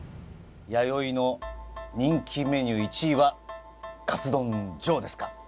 やよいの人気メニュー１位はカツ丼上ですか？